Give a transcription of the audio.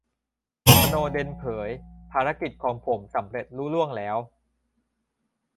'สโนว์เดน' เผย "ภารกิจของผมสำเร็จลุล่วงแล้ว"